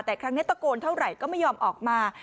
แต่ครั้งนี้ตะโกนเท่าไหร่ก็ไม่ยอมออกมา